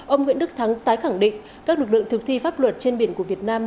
ông nguyễn đức thắng tái khẳng định các lực lượng thực thi pháp luật trên biển của việt nam